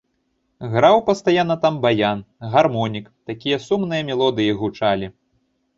Граў пастаянна там баян, гармонік, такія сумныя мелодыі гучалі.